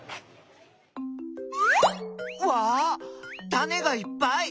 タネがいっぱい。